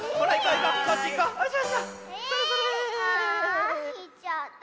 ああいっちゃった。